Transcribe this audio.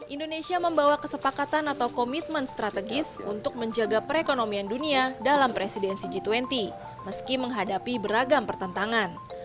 indonesia membawa kesepakatan atau komitmen strategis untuk menjaga perekonomian dunia dalam presidensi g dua puluh meski menghadapi beragam pertentangan